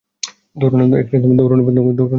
দৌঁড়ানো বন্ধ করুন!